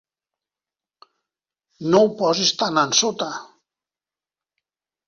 No ho posis tan ensota.